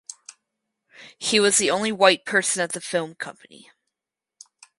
He was the only white person at the film company.